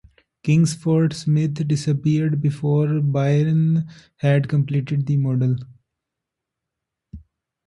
Kingsford Smith disappeared before Byrne had completed the model.